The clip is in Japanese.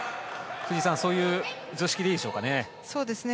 藤井さん、そういう読みでいいでしょうかね。